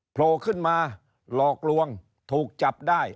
โผล่ขึ้นมาหลอกลวงถูกจับได้